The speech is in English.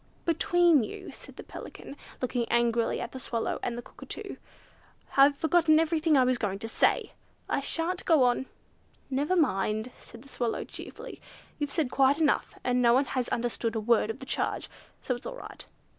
"Between you two," said the Pelican, looking angrily at the Swallow and the Cockatoo, "I've forgotten everything I was going to say! I shan't go on!" "Never mind," said the Swallow cheerfully, "You've said quite enough, and no one has understood a word of the charge, so it's all right.